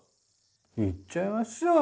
行っちゃいましょう。